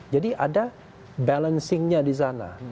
jadi ada balancingnya di sana